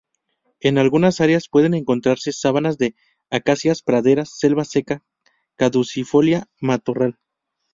En algunas áreas pueden encontrarse sabanas de acacias, praderas, selva seca caducifolia, matorral...